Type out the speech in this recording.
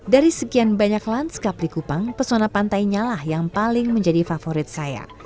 dari sekian banyak lanskap likupang pesona pantainya lah yang paling menjadi favorit saya